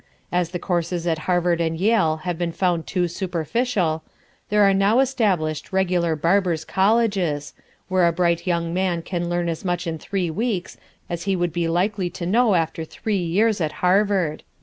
As the courses at Harvard and Yale have been found too superficial, there are now established regular Barbers' Colleges, where a bright young man can learn as much in three weeks as he would be likely to know after three years at Harvard.